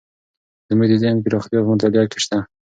زموږ د ذهن پراختیا په مطالعه کې شته.